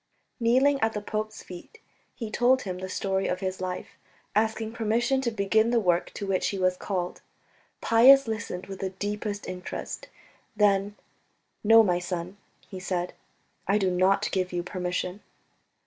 Kneeling at the pope's feet, he told him the story of his life, asking permission to begin the work to which he was called. Pius listened with the deepest interest. Then, "No, my son," he said, "I do not give you permission."